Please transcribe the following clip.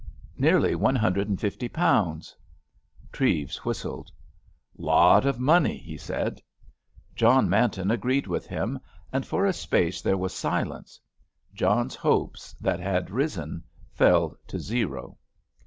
"Nearly one hundred and fifty pounds." Treves whistled. "Lot of money," he said. John Manton agreed with him, and for a space there was silence. John's hopes that had risen fell to zero.